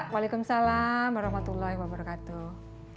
waalaikumsalam warahmatullahi wabarakatuh